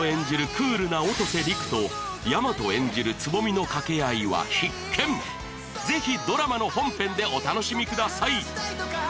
クールな音瀬陸と大和演じる蕾未の掛け合いは必見ぜひドラマの本編でお楽しみください